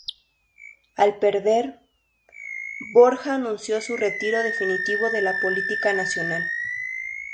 Al perder, Borja anunció su retiro definitivo de la política nacional.